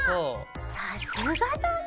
さすがだね！